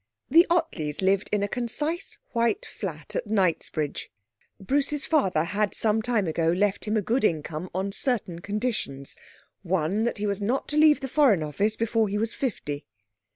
The Ottleys lived in a concise white flat at Knightsbridge. Bruce's father had some time ago left him a good income on certain conditions; one was that he was not to leave the Foreign Office before he was fifty.